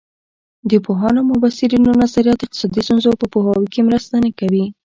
د پوهانو او مبصرینو نظریات اقتصادي ستونزو په پوهاوي کې مرسته نه کوي.